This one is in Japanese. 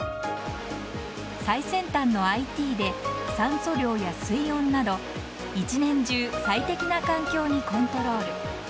最先端のＩＴで酸素量や水温など一年中最適な環境にコントロール。